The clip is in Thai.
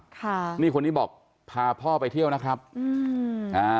ค่ะนี่คนนี้บอกพาพ่อไปเที่ยวนะครับอืมอ่า